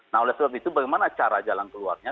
nah oleh sebab itu bagaimana cara jalan keluarnya